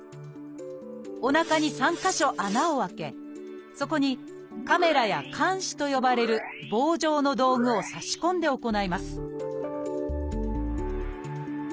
おなかに３か所穴を開けそこにカメラや鉗子と呼ばれる棒状の道具を差し込んで行います